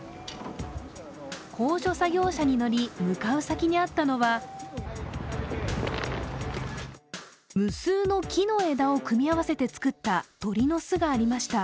高所作業車に乗り向かい先にあったのは無数の木の枝を組み合わせて作った鳥の巣がありました。